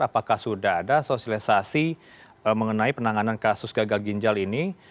apakah sudah ada sosialisasi mengenai penanganan kasus gagal ginjal ini